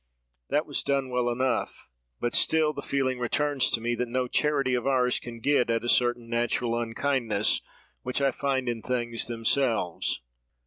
That was done well enough! But still the feeling returns to me, that no charity of ours can get at a certain natural unkindness which I find in things themselves.